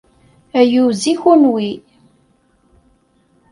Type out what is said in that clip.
Ayyuz i kenwi!